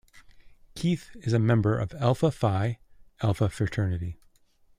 Keith is a member of Alpha Phi Alpha fraternity.